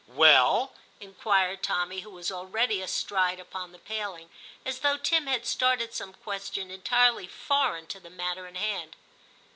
'Well ?' inquired Tommy, who was already astride upon the paling, as though Tim had started some question entirely foreign to the matter in hand.